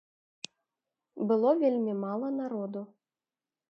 Было вельмі мала народу.